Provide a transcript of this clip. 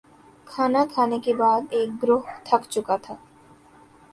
کھانا کھانے کے بعد ایک گروہ تھک چکا تھا